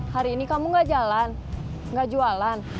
hari ini kamu gak jalan nggak jualan